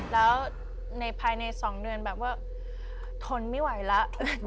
แล้วในภายใน๒เดือนแบบว่าทนไม่ไหวแล้ว